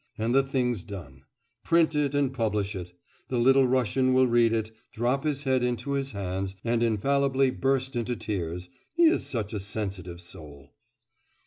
And the thing's done. Print it and publish it. The Little Russian will read it, drop his head into his hands and infallibly burst into tears he is such a sensitive soul!